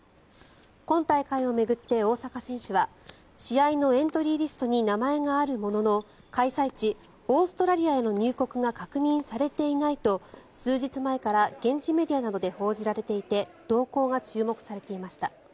今大会を巡って、大坂選手は試合のエントリーリストに名前があるものの開催地オーストラリアへの入国が確認されていないと数日前から現地メディアなどで報じられていて動向が注目されていました。